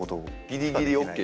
ギリギリＯＫ